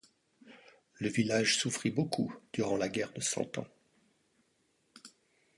Le village souffrit beaucoup durant la guerre de Cent ans.